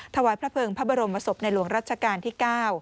ถวายพระเภิงพระบรมศพในหลวงรัชกาลที่๙